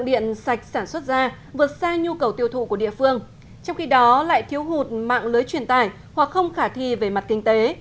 điện sạch sản xuất ra vượt xa nhu cầu tiêu thụ của địa phương trong khi đó lại thiếu hụt mạng lưới truyền tải hoặc không khả thi về mặt kinh tế